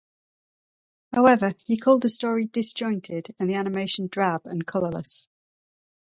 However, he called the story "disjointed" and the animation "drab and colorless".